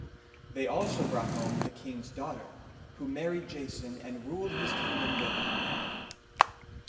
They also brought home the king's daughter, who married Jason, and ruled his kingdom with him.